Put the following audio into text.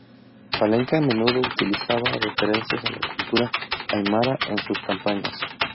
Palenque a menudo utilizaba referencias a la cultura aymara en sus campañas.